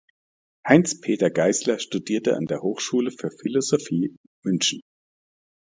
Heinz Peter Geißler studierte an der Hochschule für Philosophie München.